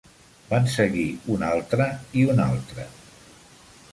Van seguir un altre i un altre.